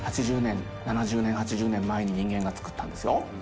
８０年７０年８０年前に人間が作ったんですよ。